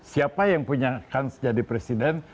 siapa yang punyakan jadi presiden